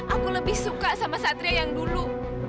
aku lebih suka sama satria yang dulu